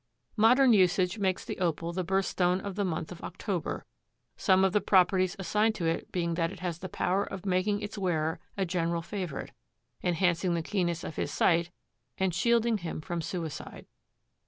Modern usage makes the Opal the birthstone of the month of October, some of the properties assigned to it being that it has the power of making its wearer a general favorite, enhancing the keenness of his sight and shielding him from suicide.